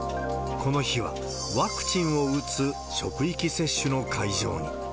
この日は、ワクチンを打つ職域接種の会場に。